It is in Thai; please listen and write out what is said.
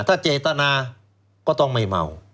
ถ้าเจตนาก็ต้องไม่เมา